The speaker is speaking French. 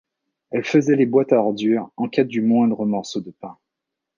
Elle faisait les boîtes à ordures en quête du moindre morceau de pain.